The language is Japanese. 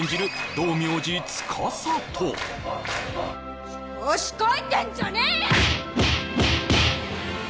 道明寺司と調子こいてんじゃねえよ！